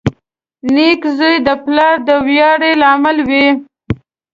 • نېک زوی د پلار د ویاړ لامل وي.